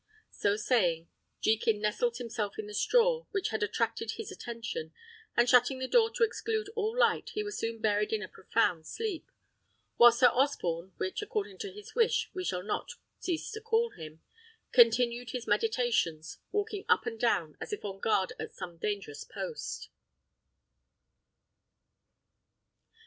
So saying, Jekin nestled himself in the straw, which had attracted his attention, and shutting the door to exclude all light, he was soon buried in a profound sleep; while Sir Osborne (which, according to his wish, we shall not cease to call him) continued his meditations, walking up and down, as if on guard at some dangerous post.